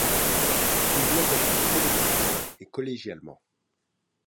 Il doit agir collectivement et collégialement.